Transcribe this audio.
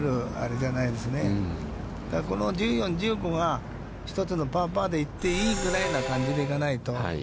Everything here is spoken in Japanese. だからこの１４、１５は１つのパーパーで行っていいぐらいの感じで行かないと。